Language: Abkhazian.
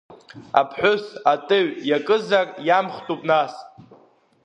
Аԥҳәыс атыҩ иакызар иамхтәуп нас!